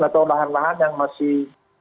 atau lahan lahan yang masih